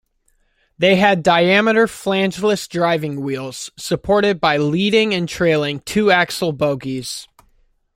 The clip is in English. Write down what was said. They had diameter flangeless driving wheels, supported by leading and trailing two-axle bogies.